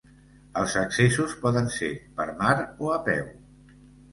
Els accessos poden ser per mar o a peu.